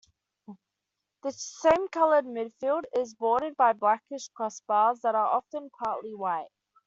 The same coloured midfield is bordered by blackish crossbars that are often partly white.